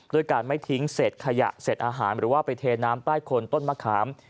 ด้วยการไม่ทิ้งเศษขยะเศษอาหารหรือว่าไปเทน้ำใต้คนต้นมะขาม